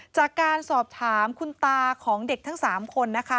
จากการสอบถามคุณตาของเด็กทั้ง๓คนนะคะ